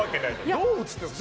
どう映ってるの？